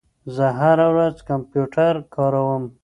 زه هره ورځ کمپیوټر کاروم.